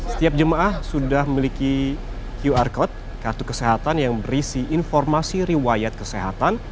setiap jemaah sudah memiliki qr code kartu kesehatan yang berisi informasi riwayat kesehatan